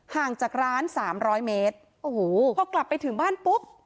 ห่างจากร้านสามร้อยเมตรโอ้โหพอกลับไปถึงบ้านปุ๊บ